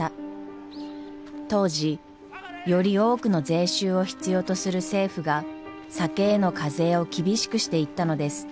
当時より多くの税収を必要とする政府が酒への課税を厳しくしていったのです。